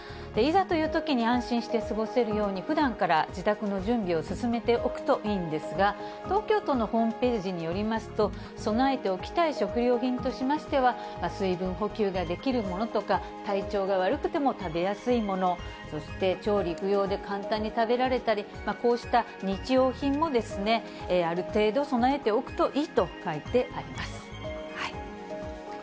いざというときに安心して過ごせるように、ふだんから自宅の準備を進めておくと医院ですが、東京都のホームページによりますと、備えておきたい食料品としましては、水分補給ができるものとか、体調が悪くても食べやすいもの、そして調理不要で簡単に食べられたり、こうした日用品もですね、ある程度備えておくといいと書いてあります。